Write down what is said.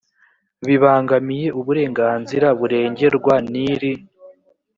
bibangamiye uburenganzira burengerwa n iri